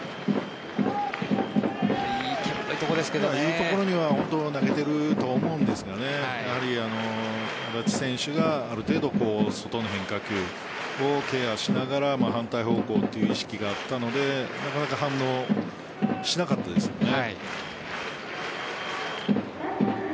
いいところに投げているとは思うんですけど安達選手がある程度外の変化球をケアしながら反対方向という意識があったのでなかなか反応しなかったですよね。